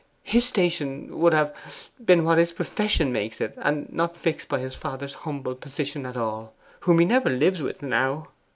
His station would have been what his profession makes it, and not fixed by his father's humble position at all; whom he never lives with now.